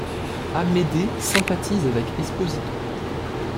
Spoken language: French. Amédée sympathise avec Esposito.